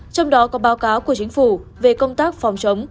trong đó có báo cáo của chính phủ về công tác phòng chống